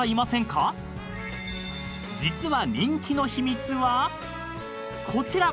［実は人気の秘密はこちら］